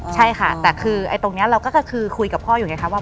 ใช่ค่ะแต่คือตรงนี้เราก็คือคุยกับพ่ออยู่ไงคะว่า